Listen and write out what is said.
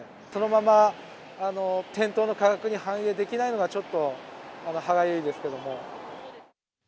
そのまま店頭の価格に反映できないのが、ちょっと歯がゆいですけども。